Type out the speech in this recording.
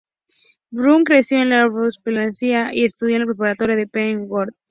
Burrell creció en Lansdowne, Pennsylvania y estudió en la preparatoria Penn Wood.